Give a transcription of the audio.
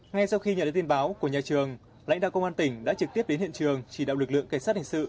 ngay sau khi nhận được tin báo của nhà trường lãnh đạo công an tỉnh đã trực tiếp đến hiện trường chỉ đạo lực lượng cảnh sát hình sự